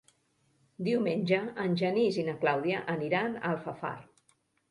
Diumenge en Genís i na Clàudia aniran a Alfafar.